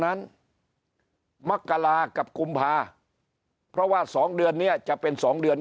นั้นมักกรากับกุมภาเพราะว่าสองเดือนเนี้ยจะเป็นสองเดือน